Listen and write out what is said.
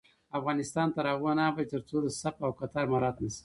افغانستان تر هغو نه ابادیږي، ترڅو صف او کتار مراعت نشي.